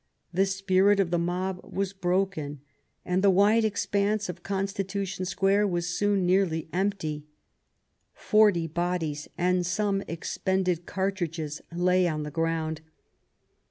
The spirit of the mob was broken and the wide expanse of Constitution Square was soon nearly empty. Forty bodies and some expended cartridges lay on the ground.